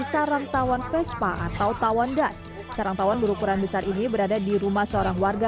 sarang tawon vespa atau tawan das sarang tawon berukuran besar ini berada di rumah seorang warga